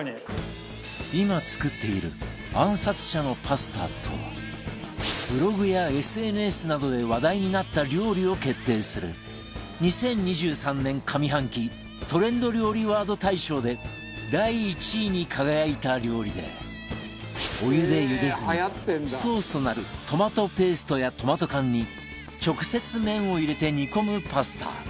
今作っている暗殺者のパスタとはブログや ＳＮＳ などで話題になった料理を決定する２０２３年上半期トレンド料理ワード大賞で第１位に輝いた料理でお湯で茹でずにソースとなるトマトペーストやトマト缶に直接麺を入れて煮込むパスタ